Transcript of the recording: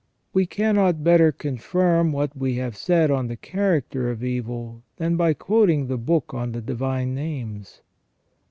We cannot better confirm what we have said on the character of evil than by quoting the Book on the Divine Names.